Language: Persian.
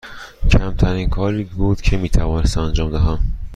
کمترین کاری بود که می توانستم انجام دهم.